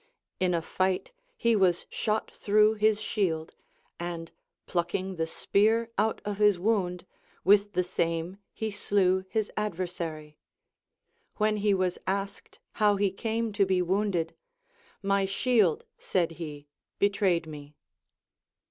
In a fight he was shot through his shield, and pkicking the spear out of his Avound, with the same he slew his adversary. AVhen he was asked how he came to be wounded. My shield, said he, betrayed me.